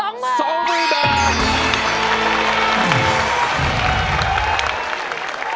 ๒มือ